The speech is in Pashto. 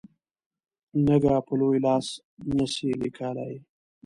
نږه په لوی لاس نه سي لیکلای.